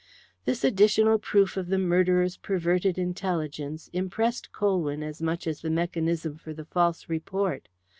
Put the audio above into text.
This additional proof of the murderer's perverted intelligence impressed Colwyn as much as the mechanism for the false report.